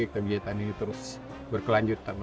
kegiatan ini terus berkelanjutan